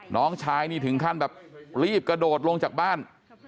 น้องชายนี่ถึงขั้นแบบรีบกระโดดลงจากบ้าน